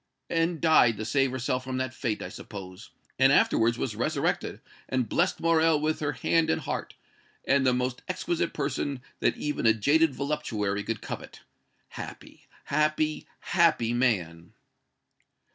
"And died to save herself from that fate, I suppose and afterwards was resurrected and blessed Morrel with her hand and heart, and the most exquisite person that even a jaded voluptuary could covet. Happy happy happy man!"